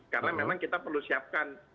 karena memang kita perlu siapkan